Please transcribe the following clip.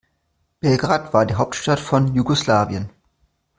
Belgrad war die Hauptstadt von Jugoslawien.